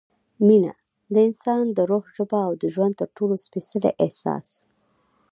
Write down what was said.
مینه – د انسان د روح ژبه او د ژوند تر ټولو سپېڅلی احساس